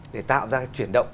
để tạo ra chuyển động